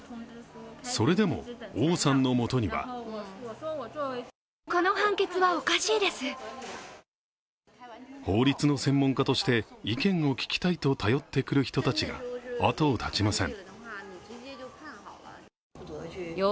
それでも王さんのもとには法律の専門家として意見を聞きたいと頼ってくる人たちが後を絶ちません。